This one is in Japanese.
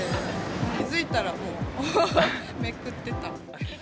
気付いたらもう、めくってたみたいな。